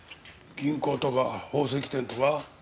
銀行とか宝石店とか？